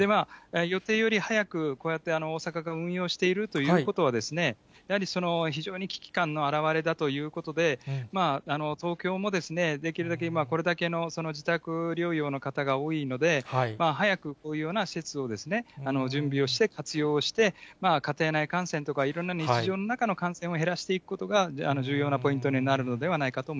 予定より早く、こうやって大阪が運用しているということはですね、やはり非常に危機感の表れだということで、東京もですね、できるだけ、これだけの自宅療養の方が多いので、早くこういうような施設を準備をして活用をして、家庭内感染とか、いろんな日常の中での感染を減らしていくことが、重要なポイント